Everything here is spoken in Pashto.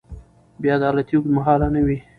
بې عدالتي اوږدمهاله نه وي